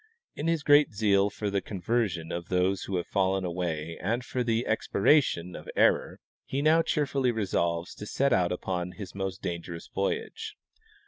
In his great zeal for the conversion of those who have fallen away and for the expiration of error, he now cheerfully resolves to set out upon his most dangerous voyage.